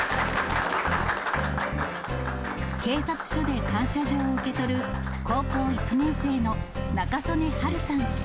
警察署で感謝状を受け取る、高校１年生の仲宗根はるさん。